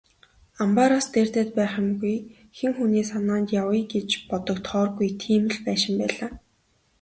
Амбаараас дээрдээд байх юмгүй, хэн хүний санаанд авъя гэж бодогдохооргүй тийм л байшин байлаа.